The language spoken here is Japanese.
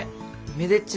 めでっち